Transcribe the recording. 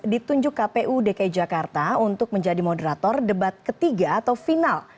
ditunjuk kpu dki jakarta untuk menjadi moderator debat ketiga atau final